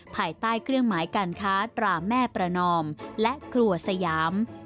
ภายใต้เครื่องหมายการค้าตราแม่ประนอมและครัวสยาม